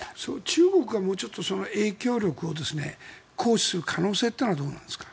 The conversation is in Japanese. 中国がもうちょっと影響力を行使する可能性というのはどうなんですか？